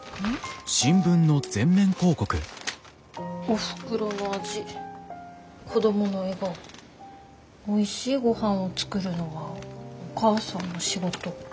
「おふくろの味子どもの笑顔おいしいごはんを作るのはお母さんの仕事」。